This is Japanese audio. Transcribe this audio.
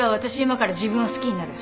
今から自分を好きになる。